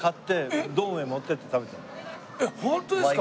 えっホントですか？